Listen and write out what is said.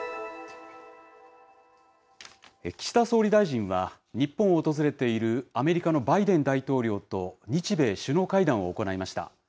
岸田総理大臣は、日本を訪れているアメリカのバイデン大統領と日米首脳会談を行いました。